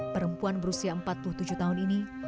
perempuan berusia empat puluh tujuh tahun ini